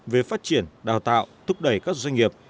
về phát triển đào tạo thúc đẩy các doanh nghiệp